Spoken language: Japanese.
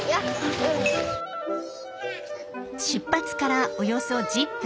出発からおよそ１０分。